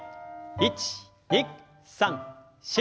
１２３４。